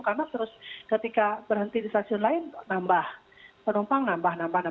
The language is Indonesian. karena terus ketika berhenti di stasiun lain penumpang nambah nambah